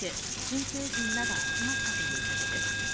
新成人らが集まったということです。